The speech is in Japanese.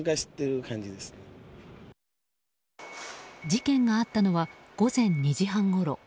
事件があったのは午前２時半ごろ。